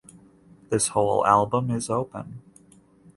This whole album is open.